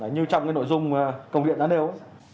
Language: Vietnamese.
như trong nội dung công điện đã nêu